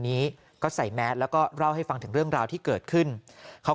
นี้ก็ใส่แมสแล้วก็เล่าให้ฟังถึงเรื่องราวที่เกิดขึ้นเขา